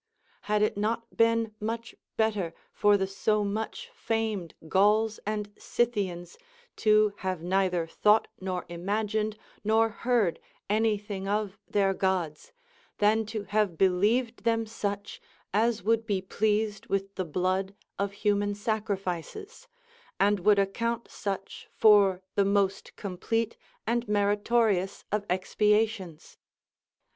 13. Had it not been much better for the so much famed Gauls and Scythians to have neither thought nor imagined nor heard any thing of their Gods, than to have believed them such as would be pleased with the blood of human sacrifices, and would account such for the most complete and meritorious of expiations